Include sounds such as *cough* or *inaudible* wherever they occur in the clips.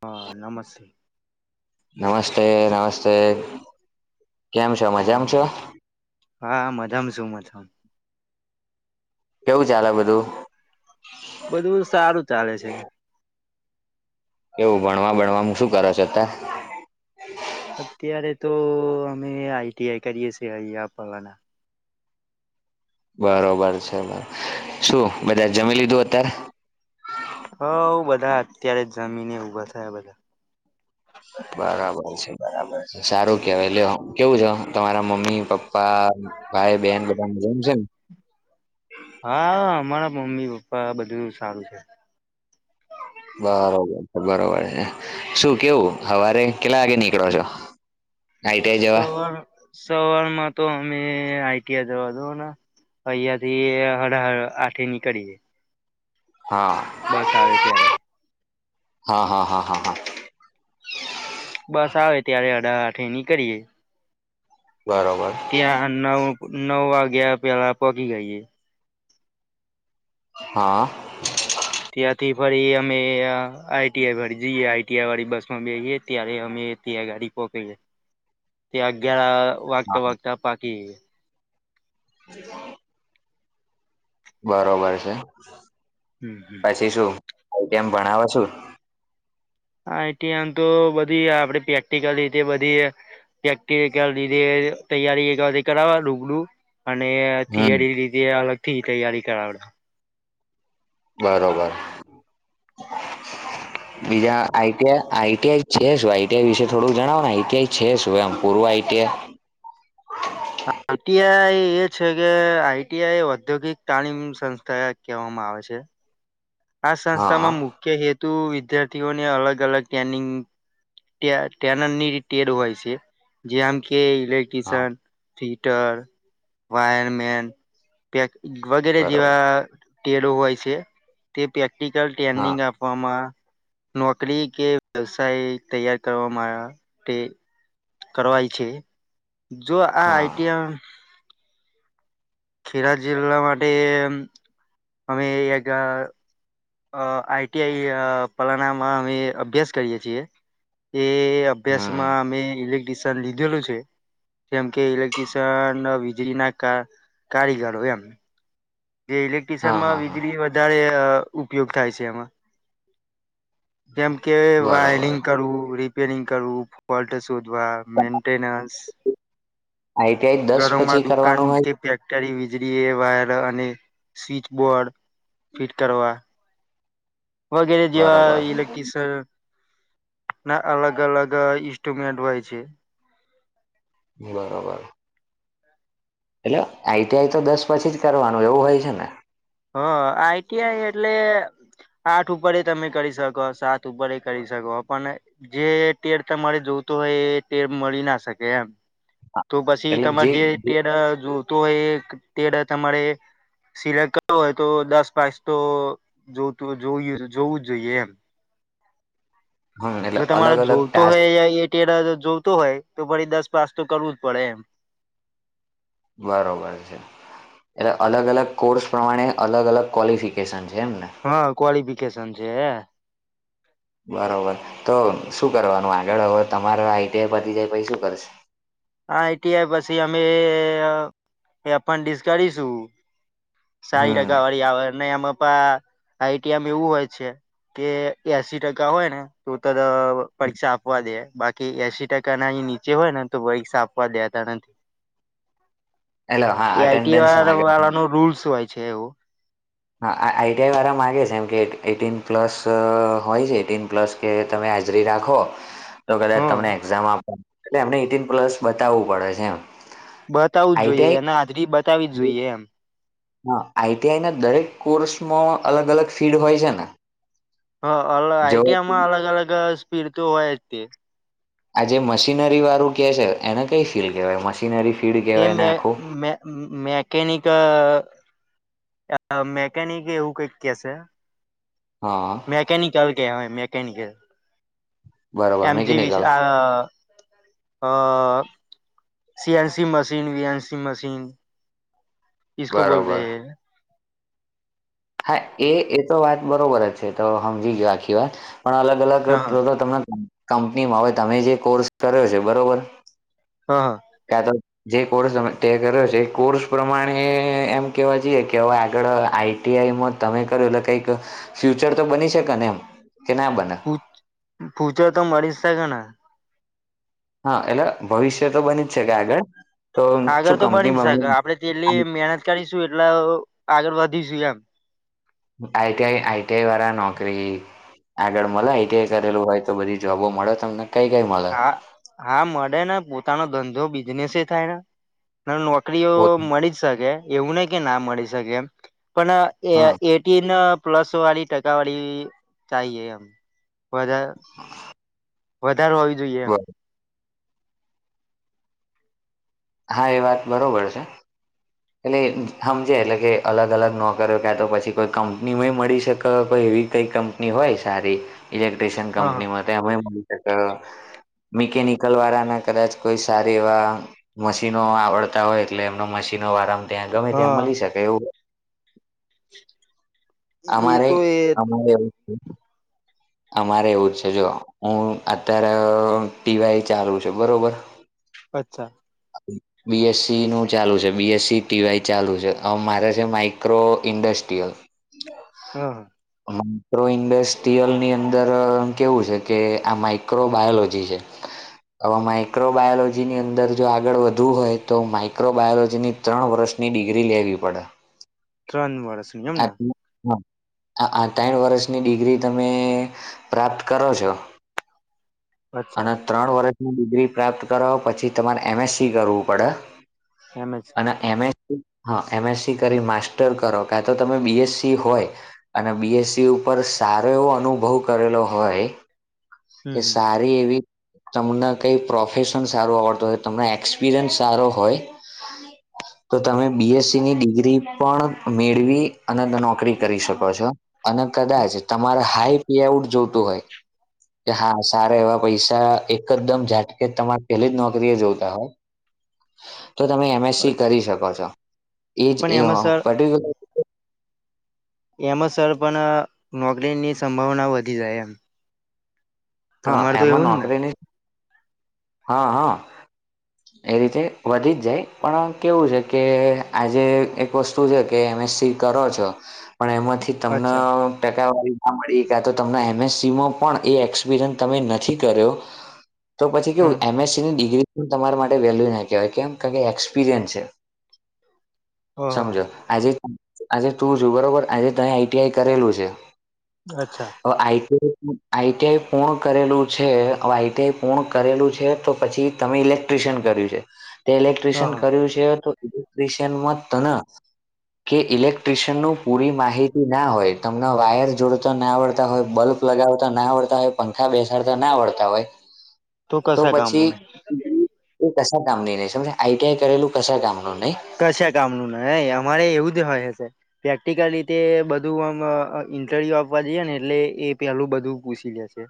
હા નમસ્તે નમસ્તે નમસ્તે કેમ છો હ મજામાં છો હા મજામા છું મજા મા કેવું ચાલે બધું બધું બધું સારું ચાલે છે. કેવું ભણવા ભણવા શું કરો છો અત્યારે અત્યારે તો અમે આઈટીઆઈ કરીએ છીએ અહંયા પવાના બરોબર છે બરોબર શું બધા જમી લીધું અત્યારે હવ બધા અત્યારે જમીને ઊભા થાય બધા. બરાબર છે બરાબર છે સારું કેવાય લ્યો કેવું છે તમારા મમ્મી પપ્પા ભાઈ બેન બધા મજામ છે ને. હા અમારા મમ્મી પપ્પા બધું સારું છે. બરોબર છે બરોબર છે શું કેવું સવારે કેટલા વાગે નીકળો છો. આઈટીઆઈ જવા સવાર સવારમાં તો અમે આઈટીઆ જવા દઉ ને અહિયાયાં થી હઢ આઠે નીકડિયે હા બસ આવે ત્યારે હા હા હા હા હા બસ આવે ત્યારે હાઢા આઠે નીકડીએ બરાબર ત્યાં નવ નવ વાગ્યા પેલા પકી જઇયે હા ત્યાંથી ફરી અમે આઈટીઆઈ વાળ જઈએ આઈટીઆઈ વાળી બસમાં બેએ ત્યારે અમે *unintelligible* ગાડી *unintelligible* ત્યાં અગિયાર વાગતા વાગતા પાકી *inaudible* બરોબર છે જઈએ. પછી શું આઈટિયા મા ભણાવે સુ આઈટીઆમા તો બધી આપે પ્રેક્ટિકલ રીતે બધી ક લીધે તૈયારી કરાવ રૂગડું અને હમ *unintelligible* લીધે અલગથી તૈયારી કરાવડાવે - બરોબર. *inaudible* બીજા આઈટીઆ આઈટીઆઈ છે શું આઈટીઆઈ વિશે થોડું જણાવો ને આઈટીઆઈ છે શું એમ પૂરૂ આઈટિ આઈટીઆઈ એ છે કે આઈટીઆઈ ઔદ્યોગિક તાલીમ સંસ્થા કહેવામાં આવે છે. આ હા સંસ્થામાં મુખ્ય હેતુ વિદ્યાર્થીઓને અલગ અલગ ટ્રેનિંગ ટેનની ટેર હોય છે જે આમ કે હા ઇલેક્ટ્ર્રીશયન હીટર વાયરમેન વગેરે બરોબર જેવા ટેરો હોય છે તે પ્રેક્ટિકલ હા ટ્રેનિંગ આપ આપવામાં નોકરી કે વ્યવસાય તૈયાર કરવામાં તે કરવાય છે. જો આ હા આઈટીઆઈ ખેડા જિલ્લા માટે અમે એ અ આઈટીઆઈ પલાનામાં અમે અભ્યાસ કરીયએ છીએ એ અભ્યાસ હમ માં અમે ઇલેક્ટ્ર્રીશયન લીધેલું છે. જેમ કે ઇલેક્ટ્રિશિયન વીજળી ના કારીગરો એમ. જે હા ઇલેક્ટ્ર્રીશયનમાં હા હા વીજળી વધારે ઉપયોગ થાય છે એમાં. જેમ કે બરોબર વાયરિંગ કરવું રિપેરિંગ કરવું ફોલ્ટ શોધવા મેન્ટેનન્સ આઈટીઆઈ દસ ઘરોમાં પછી દુકાન કરવાનું હોય કે છે? વીજળી એ વાયર અને સ્વચ બોર્ડ ફિટ કરવા. વગેરે જેવા બરોબર લેક્ટ્રિસિયન ના અલગ અલગ ઇન્સ્ટ્રુમેન્ટ હોય છે બરાબર. એટલે આઈટીઆઈ તો દસ પછી જ કરવાનું એવું હોય છે ને. હ આઈટીઆઈ એટલે આઠ ઉપર તમે કરી શકો સાત ઉપર કરી શકો પણ જે ટેમ તમારે જોતોું હોય એ તેમ મળી ના શકે એમ. તો પછી તમારે જે ટેડ જોતો હોય એ ટેડ તમારે સિલેક હોય તો દસ પાસ તો જોતું જ જોઈએ એમ. હમ એટલે જો તમારે અલગ અલગ જોતો ટાસ્ક હોય એ જોતો હોય તો ફરી દસ પાસ તો કરવું જ પડે એમ. બરોબર છે. એટલે અલગ અલગ કોર્સ પ્રમાણે અલગ અલગ કોલિફિકેશન છે એમ ને હા કોઓલિફિકેશન છે. બરોબર તો શું કરવાનું આગળ હવે તમારા આઈટીઆઈ પરથી જાય પછી શું કરીશ? આઈટીઆઈ પછી અમે એપન ડિસ કરીશું. સારી હમ ટકા વાળી આવે ને એમાંપા આઈટીએમ એવું હોય છે કે એસી ટકા હોય ને તો તો પરીક્ષા આપવા દે બાકી એસી ટકા ના નીચે હોય ને તો પરીક્ષા આપવા દેતા નથી એટલે હા એ આઈટી અટેન્ડન્સ વા માગે વાળા ન રૂલસ હોય છે એવું હા આઈટીઆઈ વાળા મામાંગે છે એમ કે એટીન પ્લસ હોય છે એટીન પ્લસ કે તમે હાજરી રાખો *inaudible* તો કદાચ તમને એક્ઝામ આપ એટલે એમને એટીન પ્લસ બતાવવું પડે છે એમ બતાવુ જ જોઈએ આઈટીઆઈ એના હાજરી બતાવી જ જોઈએ એમ. હા આઈટીઆઈ ના દરેક કોર્સમાં અલગ અલગ ફિલ્ડ હોય છે ને? હ જો આઈટીઆમાં અલગ અલગ સ્પીડ તો હોય જ તે આ જે મશીનરી વાળું કે છે એને કઈ ફીડ કેહેવાય મશીનરી ફીડ એ કેહેવાય એને મે આખું. મેકેનિક મેકેનિક એવું કઈક કેશે. હા. મેકેનિકલ કેવાય મેકેનિકલ. બરોબર એમજી વિશે મિકેનિકલ આ અ C NC machine V NC machine ઈસકો બોલતે બરોબર હૈ હા એ એ તો વાત બરોબર જ છે, તો હમજી ગયો આખી વાત પણ અલગ અલગ તો ત તમને કંપનીમાં હવે તમે જે કોર્સ કર્યો છે, બરોબર હા હા. કા તો જે કોર્સ હવે તે કર્યો છે એ કોર્સ પ્રમાણે એમ કેવા જઈએ કે હવે આગળ આઈ ટી આઈમાં તમે કરો એટલે કઈક ફ્યુચર તો બની શકે ને એમ કે ના બને. ફૂચર તો મળી શકે ને. હા એટલે ભવિષ્ય તો બની જ શકે આગળ. તો આગળ શું તો કંપની બની શકે બમની આપડે જેટલી મહેનત કરીશું એટલા આગળ વધીશું એમ. I T I I T I વાળા નોકરી આગળ મલાય આઈ ટી આઈ કરેલું હોય તો બધી જોબો મળે તમને કઈ કઈ મળે હા હા મળે ને પોતાનો ધંધો બિઝનેસ થાય ને ન નોકરીઓ પોત મળી જ શકે એવું નહી કે ના મળી શકે એમ પણ એ હા એ તીન પ્લસ વાળી ટકા વાળી ચાહિ એ એમ વધા વધાર હોવી જોઈએ બ એમ હા એ વાત બરોબર છે. એટલે હમજે એટલે કે અલગ અલગ નોકરીઓ ક્યાં તો પછી કોઈ કંપનીમાંય મળી શકે કોઈ એવી કંઈ કં ની હોય સારી ઇલેક્ટ્રિશિયન હ કંપનીમાં ત મલી શકે મિકેનિકલ વાળાના કદાચ કોઈ સારી એવા મશીનો આવડતા હોય એટલે એમનો મશીનો આરામ ત્યાં ગમે ત્યાં મલી હ શકે એવું એ અમારે તો એ અમારે એવું છે. અમારે એવું જ છે, જો હું અત્યારે ટીવાય ચાલુ છે, બરોબર અચ્છા. *inaudible* બીએસસી નું ચાલુ છે, બીએસસી ટીવાય ચાલુ છે, મારે છે, માઈક્રો ઇન્ડસ્ટ્રીયલ *inaudible* હા હા. રો ઇન્ડસ્ટ્રીયલની અંદર કેવું છે, કે આ માઈક્રો બાયોલોજી છે. અવે માઈક્રો બાયોલોજીની અંદર જો આગળ વધવું હોય તો માઈક્રો બાયોલોજીની ત્રણ વર્ષની ડિગ્રી લેવી પડે ત્રણ વર્ષ *inaudible* હ આ ત્રણ વર્ષની ડિગ્રી તમે પ્રાપ્ત કરો છો અચ્છા અને ત્રણ વર્ષની ડિગ્રી પ્રાપ્ત કરો પછી તમારે એમ એસ સી કરવું પડે એમ જ છે અને એમે સી હા એમ એસ સી કરી માસ્ટર કરો કા તો તમે બી એસ સી હોય અને બી એસ સી ઉપર સારો એવો અનુભવ કરેલો હોય કે હમ હમ સા રી એવી તમને કંઈ પ્રોફેશન સારું આવડતું હોય તમને એક્સપિરિયન્સ સારો હોય *inaudible* તો તમે બી એસ સી ની ડિગ્રી પણ મેળવી અનત નોકરી કરી શકો છો અને કદાચ તમારે હાઈ પે આઉટ જોતું હોય કે હા સા રા એવા પૈસા એકદમ ઝાટકે તમારે પેલી જ નોકરી એ જોવતા હોય તો તમે એમ એસ સી અચ્છા કરી શકો છો એ જ પણ એ અ એમાં સર પર્ટિક્યુલર એમાં સર પણ નોકરીની સંભાવના વધી જાય એમ હ તમારે તો એમાં એવું જ ને નોકરી ની હ હ *inaudible* એ રીતે વધી જ જાય પણ કેવું છે, કે આજે એક વસ્તુ છે, કે એમ એસ સી કરો છો પણ એમાંથી તમને અચ્છા ટકાવારીના મળી કાતો તમન એમ એસ સીમાં પણ એ એક્સ વીરન તમે નથી કરયો તો પછી કેવુ હમ એમસની ડિગ્રી તમારા માટે વેલ્યુ ના કહેવાય કેમ કે એક્સપિરિયન છે. ઓહો સમજો. આજે આજે તું છું બરોબર આજે તમે આઈટીઆઈ કરેલું છે. અચ્છા. તો આઈટીનુ આઈટીઆઈ. પૂર્ણ કરેલું છે. હવે આઈટીઆઈ પૂર્ણ કરેલું છે તો પછી તમે ઇલેક્ટ્રિશિયન કર્યું છે. તે હા ઇલેક્ટ્રિશિયન હા કર્યું છે તો ઇલેક્ટ્રિશિયનમાં તન કે ઇલેક્ટ ટ્રીશીયનનું પૂરી માહી તી ના હોય તમને વાયર જોડતા ના આવડતા હોય, બલ્બ લગાવતા ના આવડતા હોય. પંખા બેસાડતા ના આવળતા હોય, તો કશા પછી કામનું નહી એ કશા કામની નઈ સમજ્યા. આઈટીઆઈ કરેલું કશા કામનું નઈ. કશા કામનું નઈ. અમારે એવું જ હોય છે. પ્રેક્ટિકલ રીતે બધું આમ ઇન્ટરવ્યુ આપવા જઈએ ને એટલે એ પેલું બધું પૂછી લે છે.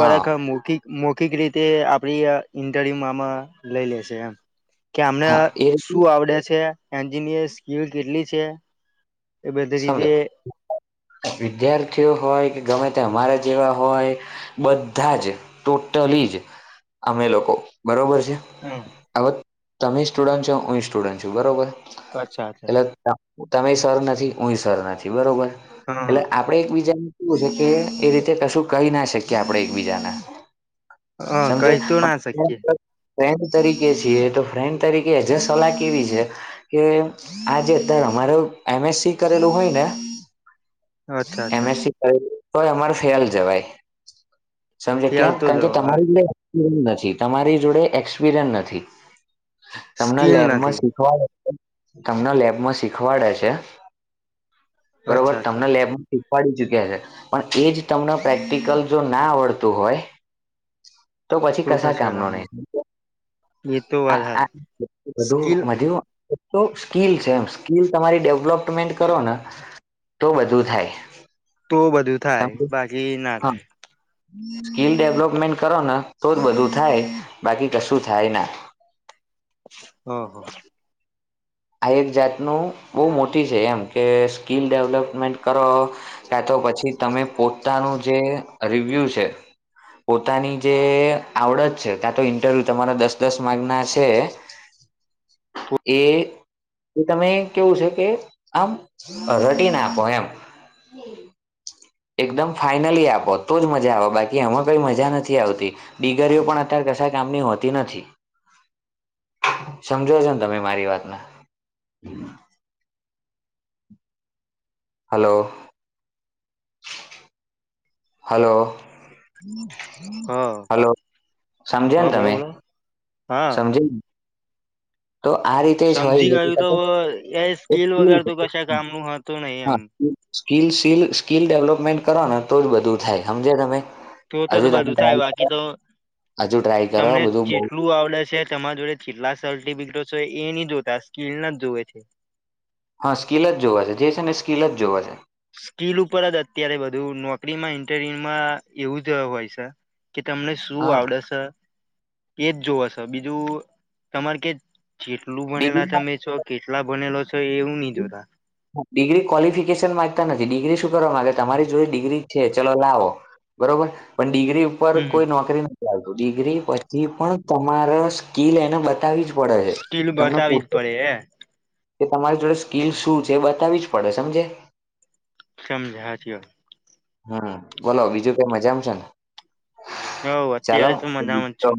હા મૌખિ મૌખિક રીતે આપડી ઇન્ટરવ્યુમાં આમાં લઈ લે સે એમ. કે આમને હા એ રીતે શું આવડે છે, એન્જિનિયર સ્કીલ કેટલી છે. એ બધી સમજો. *inaudible* વિદ્યાર્થીઓ હોય કે ગમે તે અમારા જેવા હોય. બધાં જ, ટોટલી જ અમે લોકો બરોબર છે. હમ. હવે તમે એ સ્ટુડન્ટ છો, હું એ સ્ટુડન્ટ છું બરોબર. અચ્છા અચ્છા. એટલે તમે એ સર નથી, હું એ સર નથી બરોબર. હા એટલે આ આપણે એકબીજાને કેવું છે કે એ રીતે કશું કહી ના શકીએ આપણે એકબીજાને. હા કહી સમજયા? તો ના શકીએ *inaudible* ફ્રેન્ડ તરીકે છીએ તો ફ્રેન્ડ તરીકે એ જે સલાહ કેવી છે. કે આજે ધાર અમારો એમએસસી કરેલું હોય ને અચ્છા અચ્છા એમએસસી. તોય તોય અમારે ફેલ જવાય. સમજયા કેમ ચાલતો કારણ કે જવા તમારી જોડે સ્કીલ નથી. તમારી જોડે એક્સપિરિયન નથી. તમને સ્કીલ લેબમાં નથી શીખવાડે તમને લેબમાં શીખવાડે છે. બરોબર અચ્છા અચ્છા તમને લેબમાં શીખવાડી ચુક્યા છે. પણ એ જ તમને પ્રેક્ટિકલ જો ના આવડતું હોય તો પછી તું કશા કામનું કામ નહી. એ તો વાત આ આ હારી સ્કીલ વધુમાં વધ્યું તો સ્કીલ છે એમ. સ્કીલ તમારી ડેવલોપટમેન્ટ કરો ને તો બધું થાય. તો બધું થાય, સમજ બાકી ના હા થાય. સ્કીલ ડેવલોપટમેન્ટ કરો ને તો જ બધું થાય. બાકી કશું થાય ના. હહ હહ આ એક જાતનું બહુ મોટી છે એમ કે સ્કિલ ડેવલોપમેન્ટ કરો. કાં તો પછી તમે પોતાનું જે રિવ્યુ છે. પોતાની જે આવડત છે કાં તો ઈન્ટરવ્યુ તમારા દસ દસ માર્કના છે. *inaudible* એ એ તમે કેવું છે કે આમ રટી નાખો એમ. હમ એકદમ ફાઈનલી આપો તો જ મજા આવે. બાકી આમાં કઈ મજા નથી આવતી. દિગરીઓ પણ અત્યારે કશાય કામની હોતી નથી. હ *inaudible* સમજો છો ને તમે મારી વાતને? હલો હલો હા હલો સમજ્યા ને હા બોલો તમે? બોલો હા સમજાઈ ગયું? તો આ રીતે જ સમજી હોય ગયું તો એ સ્કીલ વગર તો કશા કામનું હતું નહી એમ હા સ્કીલીલ *unintelligible* સ્કીિલ ડેવલપમેન્ટ કરો ને તો જ બધું થાય સમજે તમે- તો તો હજુ તમે બધું થાય ટ્રાય કરો બાકી તો હજુ ટ્રાય કરો બધું બ- શું આવડે છે તમારા જોડે જેટલા સલ્ટિ હોય એ નહી જોતા સ્કીિલના જ જોવે છે. હા સ્કીલ જ જોવા છે જે છે ને સ્કીલ જ જોવ છે. સ્કીિલ ઉપર જ અત્યારે બધું નોકરીમાં ઇન્ટરવ્યુમાં એવું જ હોય છે. કે તમને શું હા આવડેશે એજ જોવશે બીજું તમારે કે- કેટલું બનેલા ડિગ્રી તમે છો કેટલા બનેલો છો એવું નહી જોતા- ડિગ્રી ક્વોલિફિકેશન માંગતા નથી ડિગ્રી શું કરવા માંગતા તમારી જોઈ ડિગ્રી છે ચલો લાવો- બરોબર પણ ડિગરી- હમ કોઈ નોકરી નથી આવતું ડિગ્રી પછી પણ તમારા સ્કીિલ એને બતાવી- પડે છે સ્કીલ તેમને બતાવી જ *unintelligible* પડે એ કે તમારી જોડે સ્કીલ શું છે એ બતાવી જ પડે સમજે- સમજા સાચી વાત- હમ બોલો બીજું કઈ મજા આમ છે ને હો અત્યારે ચાલો- તો મજામાં જ છું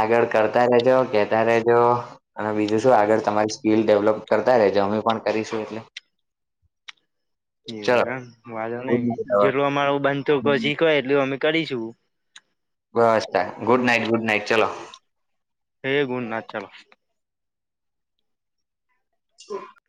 આગળ કરતા રેજો કેતા રેજો- અને બીજું શું આગળ તમારી સ્કીિલ ડેવલોપ કરતા રેજ અમમે પણ કરીશું એટલે- *inaudible* ચલો એવું એમ વાંધો ગુડ નઈ નાઈટ હવે જેટલું અમાર બનત કો શીખવાય એટલું અમે કરીશું. બસ્ ગુડ નાઈટ ગુડ નાઈટ ચલો. ગૂડ નાઈટ ચાલો- હ *inaudible*